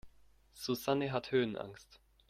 Susanne hat Höhenangst.